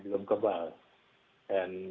belum kebal dan